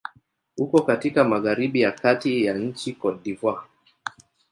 Uko katika magharibi ya kati ya nchi Cote d'Ivoire.